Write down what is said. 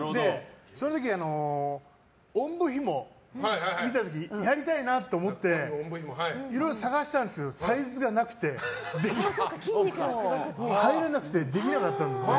その時、おんぶひも見た時やりたいなと思っていろいろ探したんですけどサイズがなくて入らなくてできなかったんですね。